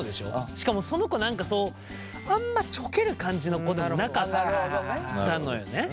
しかもその子何かそうあんまちょける感じの子でもなかったのよね。